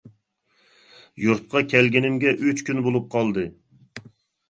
يۇرتقا كەلگىنىمگە ئۈچ كۈن بولۇپ قالدى.